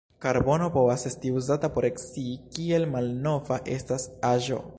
Karbono povas esti uzata por scii, kiel malnova estas aĵo.